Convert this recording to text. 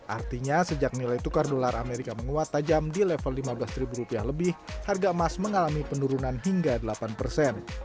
artinya sejak nilai tukar dolar amerika menguat tajam di level lima belas ribu rupiah lebih harga emas mengalami penurunan hingga delapan persen